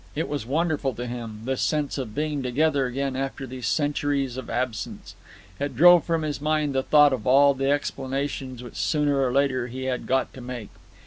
It was wonderful to him, this sense of being together again after these centuries of absence. It drove from his mind the thought of all the explanations which sooner or later he had got to make.